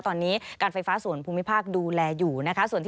ตอนนี้การไฟฟ้าส่วนภูมิภาคดูแลอยู่นะคะ